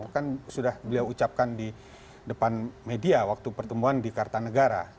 kan sudah beliau ucapkan di depan media waktu pertemuan di kartanegara